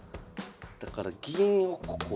だから銀をここ。